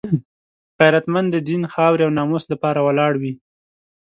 غیرتمند د دین، خاورې او ناموس لپاره ولاړ وي